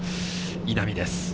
稲見です。